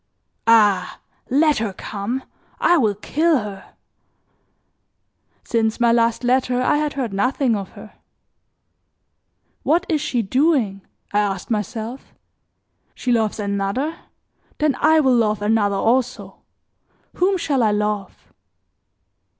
"Ah! let her come! I will kill her!" Since my last letter I had heard nothing of her. "What is she doing?" I asked myself. "She loves another? Then I will love another also. Whom shall I love?"